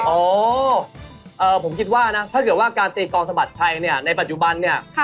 อ๋อเฌียมว่าถ้าเกราะการตีกองสมัสชัยในปัจจุบัน